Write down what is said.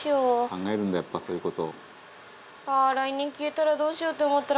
「考えるんだやっぱそういう事」